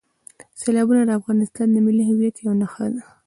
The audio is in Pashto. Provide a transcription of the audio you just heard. سیلابونه د افغانستان د ملي هویت یوه نښه ده.